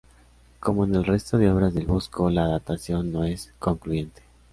Como en el resto de obras del Bosco, la datación no es concluyente.